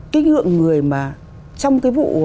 kích hượng người mà trong cái vụ